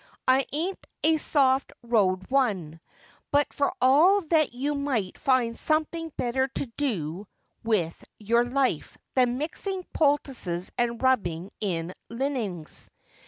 I ain't a soft roed one. But for all that you might find something better to do with your life than mixing poultices and rubbing in linimings.